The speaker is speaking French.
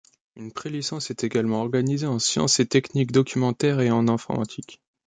Une pré licence est également organisée en Sciences et techniques documentaires et en Informatique.